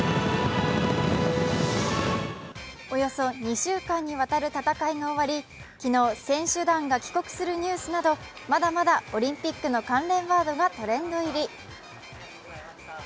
およそ２週間にわたる戦いが終わり、昨日、選手団が帰国するニュースなど、まだまだオリンピックの関連ワードがトレンド入り。